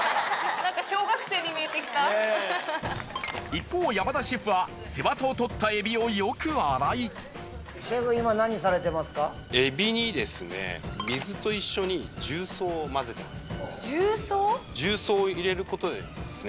一方山田シェフは背わたを取ったエビをよく洗いエビにですね水と一緒に重曹を混ぜてます。